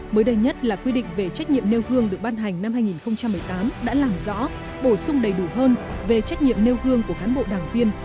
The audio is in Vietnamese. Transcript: mới đây nhất là quy định về trách nhiệm nêu gương được ban hành năm hai nghìn một mươi tám đã làm rõ bổ sung đầy đủ hơn về trách nhiệm nêu gương của cán bộ đảng viên